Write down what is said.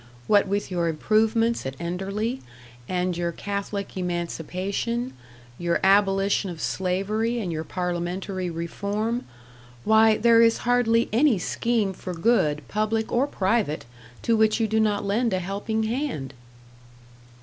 What with your improvements at Enderley, and your Catholic Emancipation your Abolition of Slavery and your Parliamentary Reform why, there is hardly any scheme for good, public or private, to which you do not lend a helping hand."